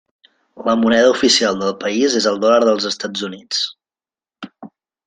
La moneda oficial del país és el dòlar dels Estats Units.